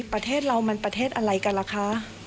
ประเทศเรามันประเทศอะไรกันล่ะคะ